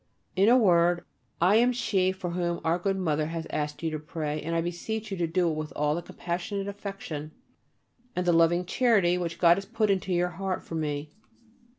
In a word, I am she for whom our good Mother has asked you to pray, and I beseech you to do it with all the compassionate affection and the loving charity which God has put into your heart for me.